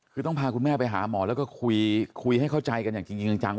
คือต้องพาคุณแม่ไปหาหมอแล้วก็คุยให้เข้าใจกันอย่างจริงจัง